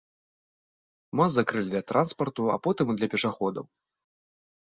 Мост закрылі для транспарту, а потым і для пешаходаў.